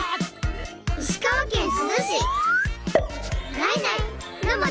石川県珠洲市。